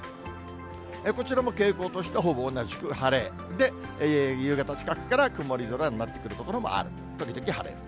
こちらも傾向としてはほぼ同じく晴れ、で、夕方近くから曇り空になってくる所もある、時々晴れる。